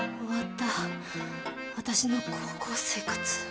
終わった私の高校生活。